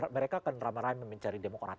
mereka akan ramai ramai mencari demokrat